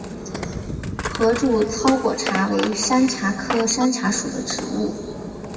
合柱糙果茶为山茶科山茶属的植物。